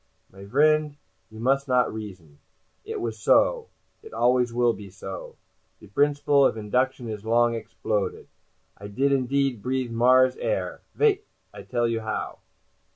"My vriend, you must not reason: it was so, it always will be so. The brinciple of induction is long exbloded. I did indeed breathe Mars air. Vait! I tell you how."